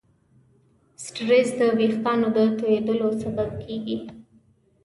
سټرېس د وېښتیانو د تویېدلو سبب کېږي.